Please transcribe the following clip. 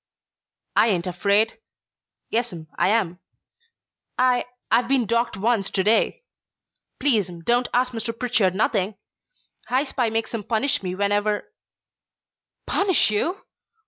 "I ain't afraid. Yes 'm, I am. I I've been docked once to day. Please 'm don't ask Mr. Pritchard nothing! High Spy makes him punish me whenever " "Punish you!"